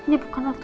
ya bukan waktu itu